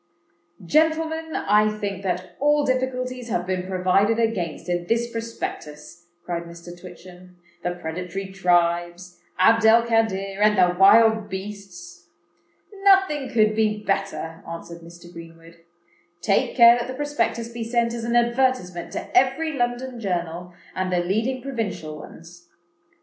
"Gentlemen, I think that all difficulties have been provided against in this Prospectus," cried Mr. Twitchem:—"the predatory tribes, Abd el Kadir, and the wild beasts." "Nothing could be better," answered Mr. Greenwood. "Take care that the Prospectus be sent as an advertisement to every London journal, and the leading provincial ones.